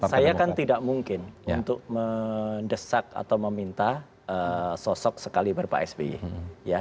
saya kan tidak mungkin untuk mendesak atau meminta sosok sekali ber pak sby